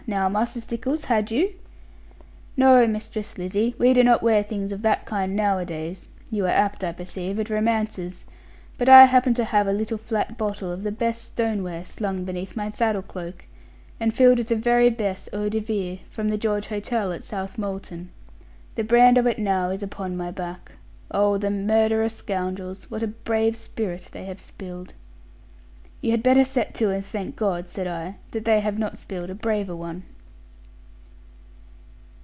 Now, Master Stickles, had you?' 'No, Mistress Lizzie; we do not wear things of that kind nowadays. You are apt, I perceive, at romances. But I happened to have a little flat bottle of the best stoneware slung beneath my saddle cloak, and filled with the very best eau de vie, from the George Hotel, at Southmolton. The brand of it now is upon my back. Oh, the murderous scoundrels, what a brave spirit they have spilled!' 'You had better set to and thank God,' said I, 'that they have not spilled a braver one.'